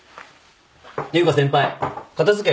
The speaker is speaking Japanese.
ていうか先輩片付け